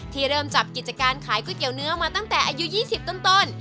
เริ่มจับกิจการขายก๋วยเตี๋ยวเนื้อมาตั้งแต่อายุ๒๐ต้น